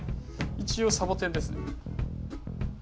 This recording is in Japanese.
一応サボテンですね。